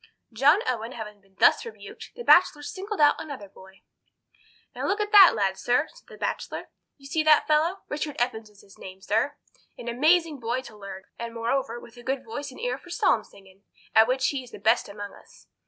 John Owen having been thus rebuked, the Bachelor singled out another boy. "Now, look at that lad, sir," said the Bachelor. "You see that fellow? Richard Evans his name is, sir. An amazing boy to learn, blessed with a good memory; and moreover, with a good voice and ear for psalm singing, at which he is the best among us.